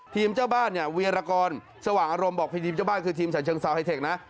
เจ้าบ้านเนี่ยเวียรกรสว่างอารมณ์บอกทีมเจ้าบ้านคือทีมฉันเชิงเซาไฮเทคนะ